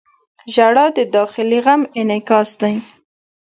• ژړا د داخلي غم انعکاس دی.